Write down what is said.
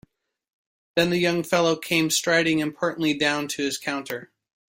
Then the young fellow came striding importantly down to his counter.